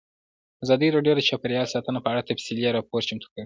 ازادي راډیو د چاپیریال ساتنه په اړه تفصیلي راپور چمتو کړی.